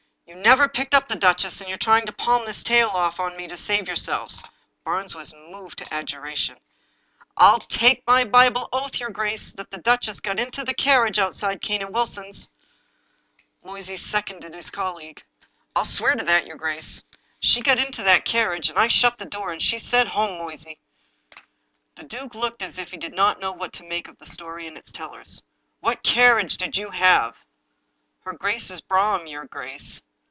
You never picked up the duchess, and you're trying to palm this tale off on me to save yourselves." Barnes was moved to adjuration :" I'll take my Bible oath, your grace, that the duchess got into the carriage outside Cane and Wilson's." Moysey seconded his colleague. " X will swear to that, your grace. She got into that 275 English Mystery Stories carriage, and I shut the door, and she said, 'Home, Moyseyl '" The duke looked as if he did not know what to make of the story and its tellers. " What carriage did you have? "" Her grace's brougham, your grace."